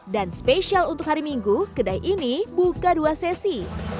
dan spesial untuk hari minggu kedai ini buka dua sesi